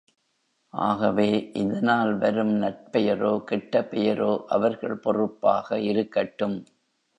ஆகவே, இதனால் வரும் நற்பெயரோ கெட்ட பெயரோ அவர்கள் பொறுப்பாக இருக்கட்டும்.